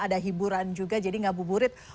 ada hiburan juga jadi gak buburit